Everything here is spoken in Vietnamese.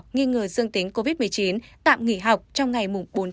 nghi ngờ dương tính covid một mươi chín tạm nghỉ học trong ngày bốn một mươi một